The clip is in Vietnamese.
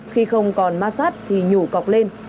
khi không còn ma sát thì nhủ cọc lên